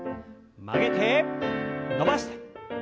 曲げて伸ばして。